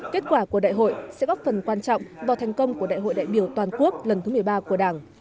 kết quả của đại hội sẽ góp phần quan trọng vào thành công của đại hội đại biểu toàn quốc lần thứ một mươi ba của đảng